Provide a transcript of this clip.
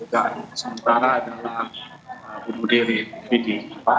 dan juga sementara dalam budi vidi